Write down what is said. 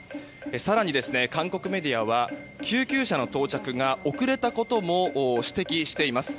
更に、韓国メディアは救急車の到着が遅れたことも指摘しています。